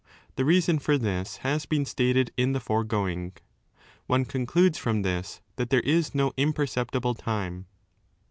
The reason for this has been stated in the foregoing. 20 One concludes from this that there is no imperceptible time.